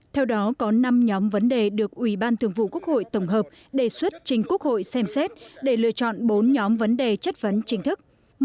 theo đó có năm nhóm vấn đề được ủy ban thường vụ quốc hội tổng hợp đề xuất trình quốc hội xem xét để lựa chọn bốn nhóm vấn đề chất vấn chính thức